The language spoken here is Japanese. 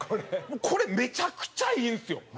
これ、めちゃくちゃいいんですよ！